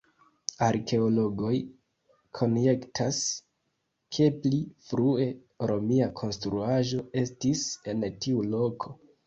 Arkeologoj konjektas, ke pli frue romia konstruaĵo estis en tiu loko.